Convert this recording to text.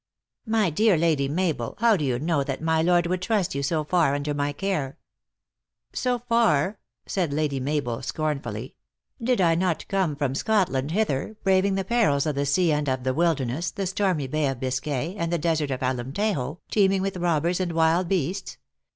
" My dear Lady Mabel, how do you know that my lord would trust you so far under my care? "So far!" said Lady Mabel, scornfully. "Did 1 not come from Scotland hither, braving the perils of 5* 114 THE ACTKESS IN HIGH LIFE. the sea and of the wilderness, the stormy Bay of Biscay, and the desert of Alemtejo, teeming with robbers and wild beasts